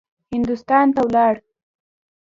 هندوستان ته ولاړ.